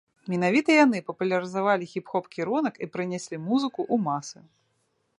Менавіта яны папулярызавалі хіп-хоп кірунак і прынеслі музыку ў масы.